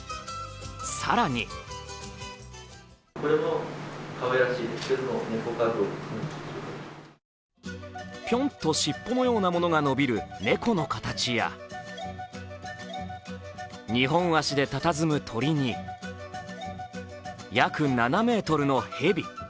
更にピョンと尻尾のようなものが伸びる猫の形や２本足でたたずむ鳥に約７ｍの蛇。